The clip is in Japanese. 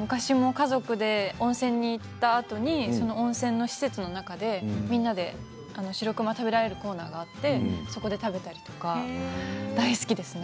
昔も家族で温泉に行ったあとに温泉の施設の中でみんなでしろくまを食べられるコーナーがあってそこで食べたりとか大好きですね。